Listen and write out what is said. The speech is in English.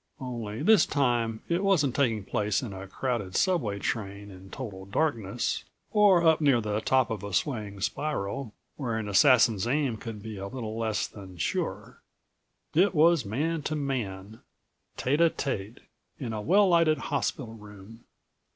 Only this time it wasn't taking place in a crowded subway train in total darkness, or up near the top of a swaying spiral where an assassin's aim could be a little less than sure. It was man to man, tete a tete, in a well lighted hospital room.